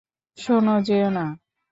শোনো, যেও না।